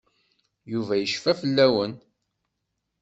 Yuba yecfa fell-awen.